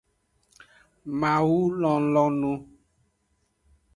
Mawu lonlonu.